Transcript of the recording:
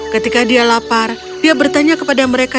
ketika dia lapar dia bertanya kepada mereka